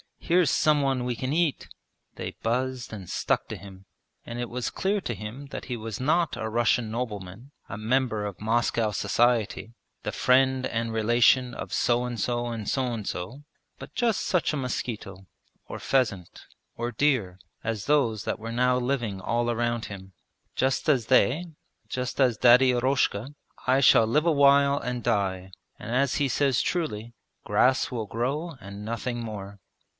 Here's some one we can eat!' They buzzed and stuck to him. And it was clear to him that he was not a Russian nobleman, a member of Moscow society, the friend and relation of so and so and so and so, but just such a mosquito, or pheasant, or deer, as those that were now living all around him. 'Just as they, just as Daddy Eroshka, I shall live awhile and die, and as he says truly: "grass will grow and nothing more".